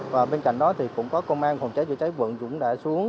và bên cạnh đó thì cũng có công an phòng cháy vụ cháy vận cũng đã xuống